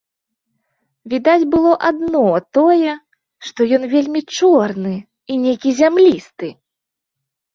Відаць было адно тое, што ён вельмі чорны і нейкі зямлісты.